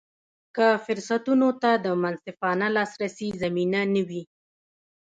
که فرصتونو ته د منصفانه لاسرسي زمینه نه وي.